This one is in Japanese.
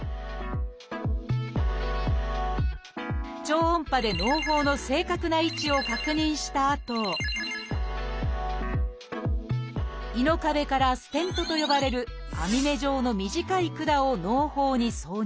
超音波でのう胞の正確な位置を確認したあと胃の壁から「ステント」と呼ばれる網目状の短い管をのう胞に挿入。